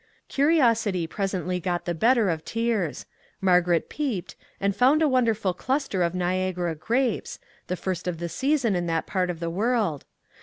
Curiosity presently got the better of tears; Margaret peeped and found a wonderful cluster of Niagara grapes, the first of the season in that part of the world.